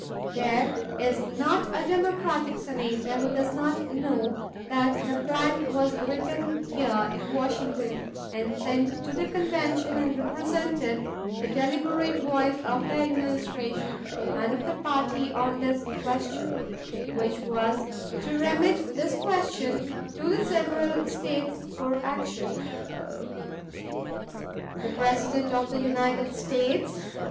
There is not a Democratic Senator who does not know that the plank was written here in Washington and sent to the convention and represented the deliberate voice of the administration and of the party on this question, which was to remit this question to the several States for action .... "The President of the United States